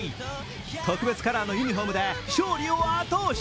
特別カラーのユニフォームで勝利を後押し。